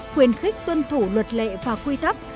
khuyến khích tuân thủ luật lệ và quy tắc